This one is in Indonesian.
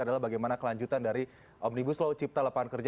adalah bagaimana kelanjutan dari omnibus law cipta lapangan kerja